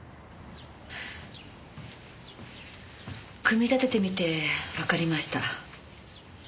組み立ててみてわかりました。